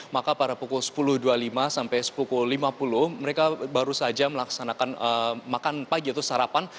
maka pada pukul sepuluh dua puluh lima sampai pukul lima puluh mereka baru saja melaksanakan makan pagi atau sarapan